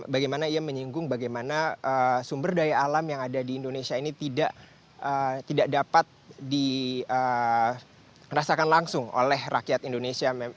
bagaimana ia menyinggung bagaimana sumber daya alam yang ada di indonesia ini tidak dapat dirasakan langsung oleh rakyat indonesia